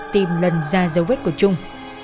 tìm lần ra dấu vết của trung